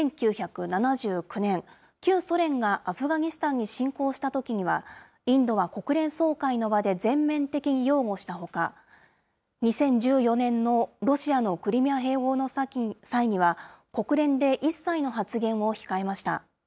１９７９年、旧ソ連がアフガニスタンに侵攻したときには、インドは国連総会の場で全面的に擁護したほか、２０１４年のロシアのクリミア併合の際には、国連で一切の発言を控えました。